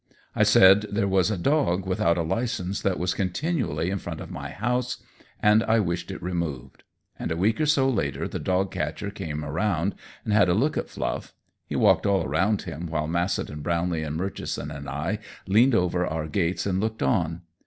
I said there was a dog without a license that was continually in front of my house, and I wished it removed; and a week or so later the dog catcher came around and had a look at Fluff: He walked all around him while Massett and Brownlee and Murchison and I leaned over our gates and looked on.